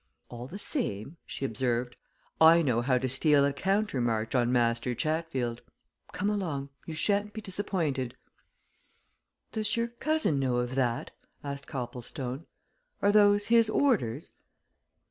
"All the same," she observed, "I know how to steal a countermarch on Master Chatfield. Come along! you shan't be disappointed." "Does your cousin know of that?" asked Copplestone. "Are those his orders?"